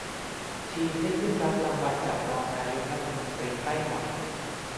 ทีมได้ขึ้นรับรางวัลจากรองนายกรัฐมนตรีไต้หวัน